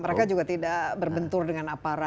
mereka juga tidak berbentur dengan aparat